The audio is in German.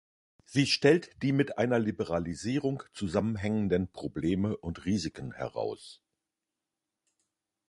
Sie stellt die mit einer Liberalisierung zusammenhängenden Probleme und Risiken heraus.